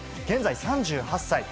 現在３８歳。